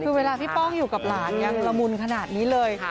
คือเวลาพี่ป้องอยู่กับหลานยังละมุนขนาดนี้เลย